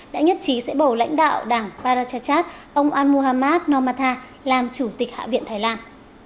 đã nhất trí sẽ bầu lãnh đạo đảng parachachat ông anmuhammad nomatha làm chủ tịch hạ viện thái lan